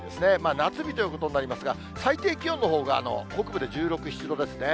夏日ということになりますが、最低気温のほうが北部で１６、７度ですね。